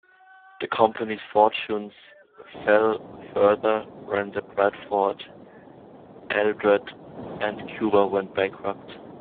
The company's fortunes fell further when the Bradford, Eldred and Cuba went bankrupt.